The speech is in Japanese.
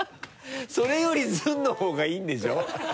それより「ずん」のほうがいいんでしょ？